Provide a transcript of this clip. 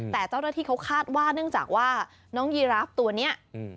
แต่เจ้าหน้าที่เขาคาดว่าเนื่องจากว่าน้องยีราฟตัวเนี้ยอืม